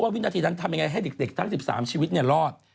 วินาทีนั้นทำยังไงให้เด็กทั้ง๑๓ชีวิตรอด